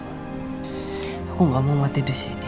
aku gak mau mati disini